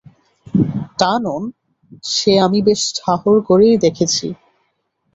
তা নন, সে আমি বেশ ঠাহর করেই দেখেছি।